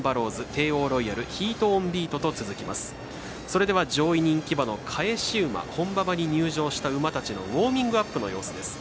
それでは上位人気馬の返し馬本馬場に入場した馬たちのウォーミングアップの様子です。